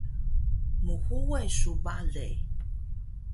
Mhuwe su bale